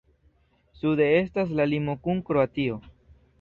Sude estas la limo kun Kroatio.